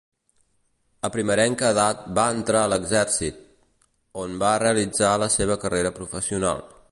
A primerenca edat va entrar a l'Exèrcit, on va realitzar la seva carrera professional.